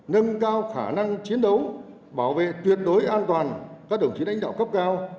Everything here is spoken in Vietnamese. nâng cao khả năng chiến đấu bảo vệ tuyệt đối an toàn các đồng chí đánh đạo cấp cao